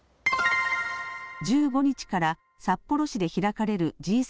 １５日から札幌市で開かれるＧ７